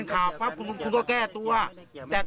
มันไม่ใช่เข้าใจว่ะ